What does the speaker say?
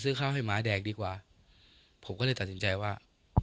ข้าวให้หมาแดกดีกว่าผมก็เลยตัดสินใจว่า